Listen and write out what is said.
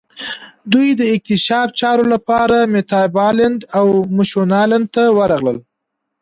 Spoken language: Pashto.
دوی د اکتشافي چارو لپاره میتابالنډ او مشونالند ته ورغلل.